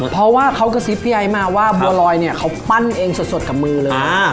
เพราะว่าเขากระซิบพี่ไอ้มาว่าบัวลอยเนี่ยเขาปั้นเองสดกับมือเลย